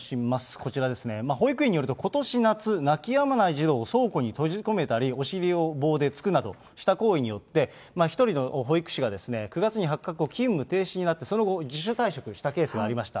こちらですね、保育園によると、ことし夏、泣きやまない児童を倉庫に閉じ込めたり、お尻を棒で突くなどした行為によって、１人の保育士が９月に発覚後、勤務停止になって、その後、自主退職したケースがありました。